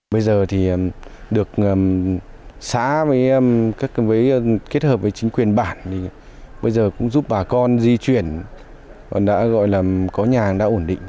bây giờ thì được xã với các vế kết hợp với chính quyền bản thì bây giờ cũng giúp bà con di chuyển còn đã gọi là có nhà đã ổn định